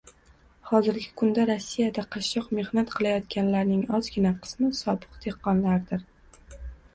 Hozirgi kunda Rossiyada qashshoq mehnat qilayotganlarning ozgina qismi sobiq dehqonlardir